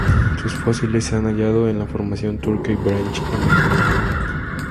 Sus fósiles se han hallado en la Formación Turkey Branch en Virginia.